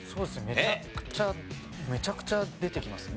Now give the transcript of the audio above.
めちゃくちゃめちゃくちゃ出てきますね。